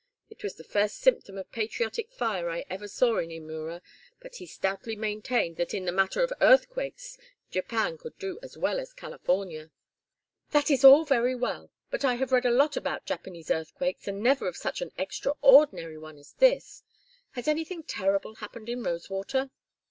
It was the first symptom of patriotic fire I ever saw in Imura, but he stoutly maintained that in the matter of earthquakes Japan could do as well as California." "That is all very well, but I have read a lot about Japanese earthquakes, and never of such an extraordinary one as this. Has anything terrible happened in Rosewater?"